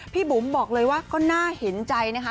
บุ๋มบอกเลยว่าก็น่าเห็นใจนะคะ